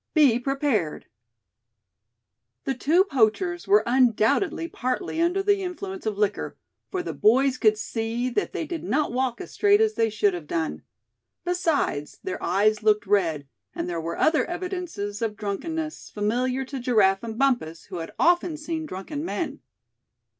"BE PREPARED!" The two poachers were undoubtedly partly under the influence of liquor; for the boys could see that they did not walk as straight as they should have done. Besides, their eyes looked red, and there were other evidences of drunkeness, familiar to Giraffe and Bumpus, who had often seen drunken men.